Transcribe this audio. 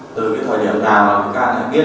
từ thời điểm nào bà văn thắng biết